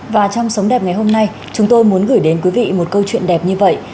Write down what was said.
và trong sống đẹp ngày hôm nay chúng tôi muốn gửi đến quý vị một câu chuyện đẹp như vậy